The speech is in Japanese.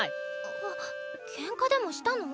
あっケンカでもしたの？